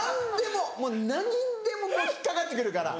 もう何にでも引っ掛かって来るから。